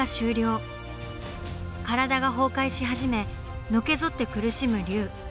体が崩壊し始めのけぞって苦しむ龍。